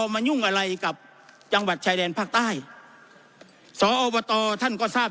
มันยุ่งอะไรกับจังหวัดชายแดนภาคใต้สอบตท่านก็ทราบ